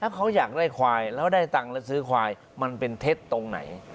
เขาอยากได้ควายแล้วได้ตังค์แล้วซื้อควายมันเป็นเท็จตรงไหน